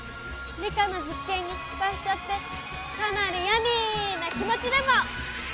理科の実験に失敗しちゃってかなりヤミーな気持ちでも！